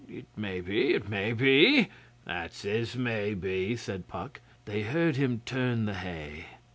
It may be it may be.' 'That's as may be,' said Puck. They heard him turn the hay.